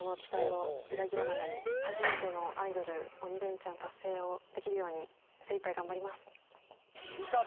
初めてのアイドル鬼レンチャン達成をできるように精いっぱい頑張ります。